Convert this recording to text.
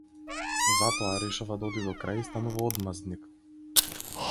Затоа, решава да оди до крај и станува одмаздник.